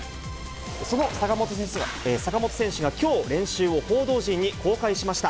その坂本選手がきょう、練習を報道陣に公開しました。